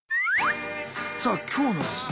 さあ今日のですね